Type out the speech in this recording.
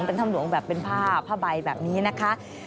เป็นถ้ำหลวงแบบเป็นผ้าผ้าใบแบบนี้นะคะ